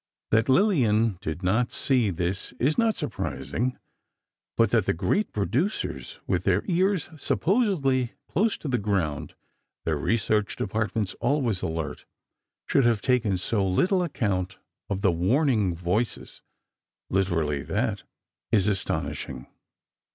That Lillian did not see this is not surprising, but that the great producers, with ears supposedly close to the ground, their research departments always alert, should have taken so little account of the warning voices (literally that), is astonishing.